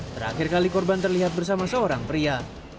terakhir kali korban terlihat bersama seorang pria